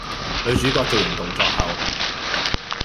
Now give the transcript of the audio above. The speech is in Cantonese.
女主角做完動作後